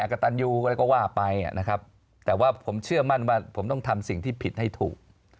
กระตันยูอะไรก็ว่าไปนะครับแต่ว่าผมเชื่อมั่นว่าผมต้องทำสิ่งที่ผิดให้ถูก